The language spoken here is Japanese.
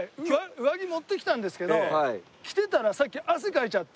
上着持ってきたんですけど着てたらさっき汗かいちゃって。